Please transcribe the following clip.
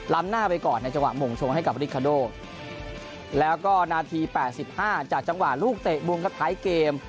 ล้ำหน้าไปก่อนในจังหวะโมงโชงให้กับริคาโดแล้วก็นาทีแปดสิบห้าจากจังหวะลูกเตะมุมกับท้ายเกม